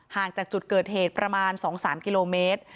ห่างจากจุดเกิดเหตุประมาณ๒๓กิโลเมตร